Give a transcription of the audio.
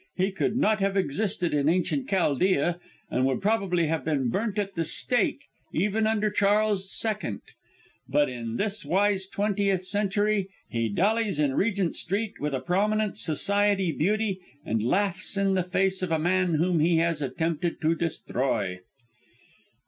He could not have existed in Ancient Chaldea, and would probably have been burnt at the stake even under Charles II.; but in this wise twentieth century he dallies in Regent Street with a prominent society beauty and laughs in the face of a man whom he has attempted to destroy!"